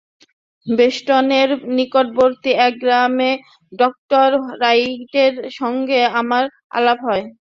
বষ্টনের নিকটবর্তী এক গ্রামে ডক্টর রাইটের সঙ্গে আমার আলাপ হয়।